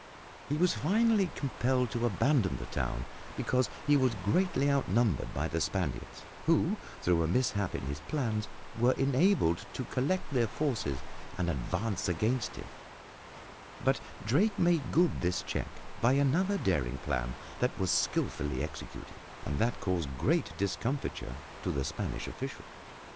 He was finally compelled to abandon the town, because he was greatly outnumbered by the Spaniards, who, through a mishap in his plans, were enabled to collect their forces and advance against him, but Drake made good this check by another daring plan that was skilfully executed, and that caused great discomfiture to the Spanish officials.